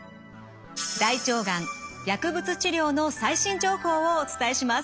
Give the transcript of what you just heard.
大腸がん薬物治療の最新情報をお伝えします。